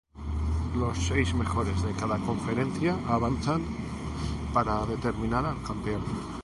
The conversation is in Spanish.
Los seis mejores de cada conferencia avanzan para determinar al campeón.